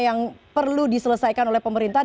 yang perlu diselesaikan oleh pemerintah